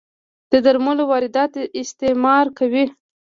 د درملو واردات اسعار کموي.